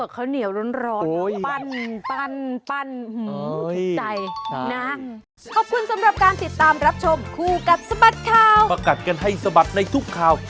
แล้วกินพวกกับข้าวเหนียวร้อนปั้นหืมทิ้งใจน้ำ